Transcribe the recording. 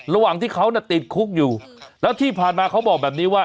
ระหว่างที่เขาติดคุกอยู่แล้วที่ผ่านมาเขาบอกแบบนี้ว่า